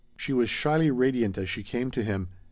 She was shyly radiant as she came to him.